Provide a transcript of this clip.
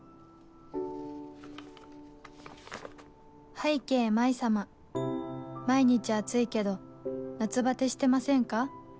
「拝啓麻依様」「毎日暑いけど夏バテしてませんか？」